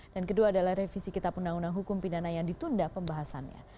dan kedua adalah revisi kitab undang undang hukum pindana yang ditunda pembahasannya